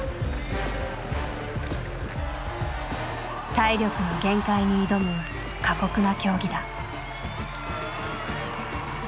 体力の限界に挑む過酷な競技だ。